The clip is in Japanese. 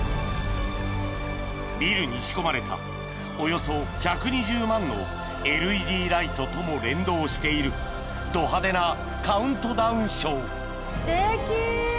［ビルに仕込まれたおよそ１２０万のＬＥＤライトとも連動しているど派手なカウントダウンショー］